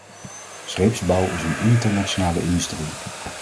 Scheepsbouw is een internationale industrie.